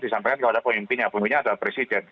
disampaikan kepada pemimpinnya pemimpinnya adalah presiden